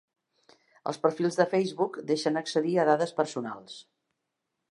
Els perfils de Facebook deixen accedir a dades personals.